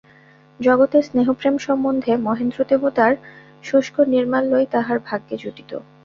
জগতের স্নেহপ্রেম সম্বন্ধে মহেন্দ্র-দেবতার শুষ্ক নির্মাল্যই তাহার ভাগ্যে জুটিত।